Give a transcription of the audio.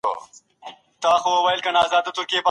اقتصادي خوځښت ته په خپلو چارو کي ځای ورکړئ.